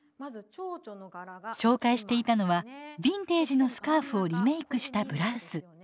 紹介していたのはビンテージのスカーフをリメークしたブラウス。